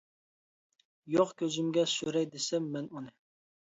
يوق كۆزۈمگە سۈرەي دېسەم مەن ئۇنى.